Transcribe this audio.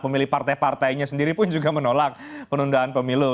pemilih partai partainya sendiri pun juga menolak penundaan pemilu